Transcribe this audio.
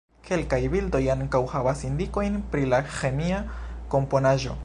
Kelkaj bildoj ankaŭ havas indikojn pri la ĥemia komponaĵo.